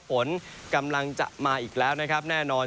ฝนกำลังจะมาอีกแล้วนะครับแน่นอน